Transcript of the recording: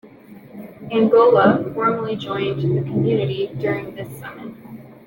Angola formally joined the Community during this summit.